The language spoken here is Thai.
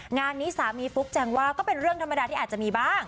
งานนี้สามีฟุ๊กแจงว่าก็เป็นเรื่องธรรมดาที่อาจจะมีบ้าง